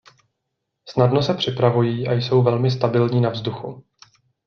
Snadno se připravují a jsou velmi stabilní na vzduchu.